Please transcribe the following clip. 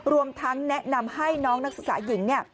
รวมทั้งแนะนำให้น้องนักศึกษาหญิงเนี่ย